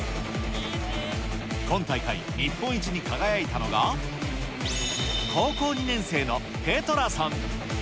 今大会、日本一に輝いたのが、高校２年生のテトラさん。